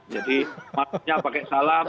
jadi maksudnya pakai salam